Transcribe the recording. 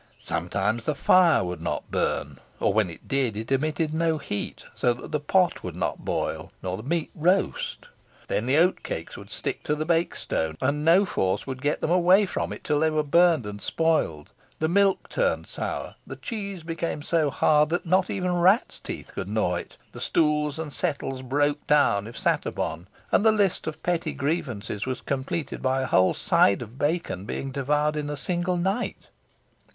Sometimes the fire would not burn, or when it did it emitted no heat, so that the pot would not boil, nor the meat roast. Then the oatcakes would stick to the bake stone, and no force could get them away from it till they were burnt and spoiled; the milk turned sour, the cheese became so hard that not even rats' teeth could gnaw it, the stools and settles broke down if sat upon, and the list of petty grievances was completed by a whole side of bacon being devoured in a single night.